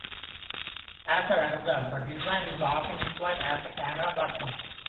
As a result, the design is often employed as a camera platform.